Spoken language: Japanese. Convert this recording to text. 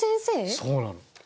そうなの。